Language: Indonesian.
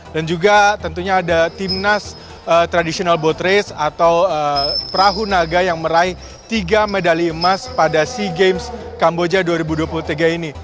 dan juga tentunya ada timnas traditional boat race atau perahu naga yang meraih tiga medali emas pada sea games kamboja dua ribu dua puluh tiga ini